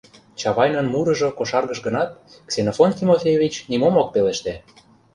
Чавайнын мурыжо кошаргыш гынат, Ксенофонт Тимофеевич нимом ок пелеште.